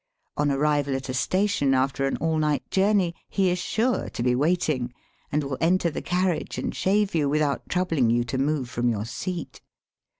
On arrival at a station after an all night jom ney he is sure to be waiting, and will enter the carriage and shave you without troubling you to move from your seat.